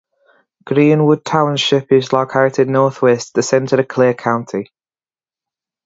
Greenwood Township is located northwest of the center of Clare County.